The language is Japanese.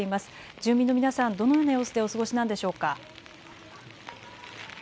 住民の皆さん、どのような様子でお過ごしなんでしょうか。